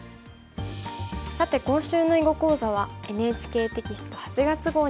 さて今週の囲碁講座はＮＨＫテキスト８月号に詳しく載っています。